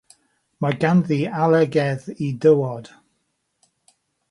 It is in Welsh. Mae ganddi alergedd i dywod.